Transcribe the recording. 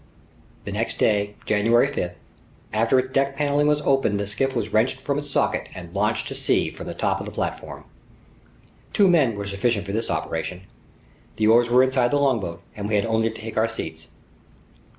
The next day, January 5, after its deck paneling was opened, the skiff was wrenched from its socket and launched to sea from the top of the platform. Two men were sufficient for this operation. The oars were inside the longboat and we had only to take our seats.